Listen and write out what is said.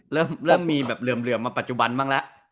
เริ่มมีแบบเหลื่อมมาปัจจุบันบ้างแล้ว